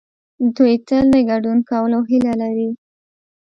دوی تل د ګډون کولو هيله لري.